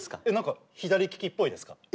何か左利きっぽいですか？